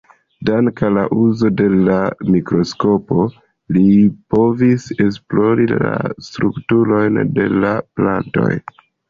Dank'al la uzo de la mikroskopo li povis esplori la strukturojn de la plantoj.